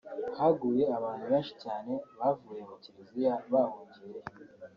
haguye abantu benshi cyane bavuye mu Kiliziya bahungiye yo